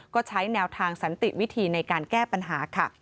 ก็ใช้แนวทางสันติวิธีในการแก้ปัญหาค่ะ